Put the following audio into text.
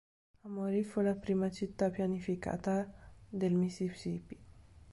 Amory fu la prima città pianificata del Mississippi.